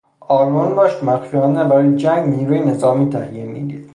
آلمان داشت مخفیانه برای جنگ نیروی نظامی تهیه میدید.